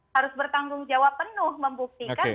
harus bertanggung jawab penuh membuktikan